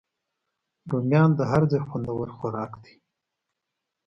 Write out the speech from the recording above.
رومیان د هر ځای خوندور خوراک دی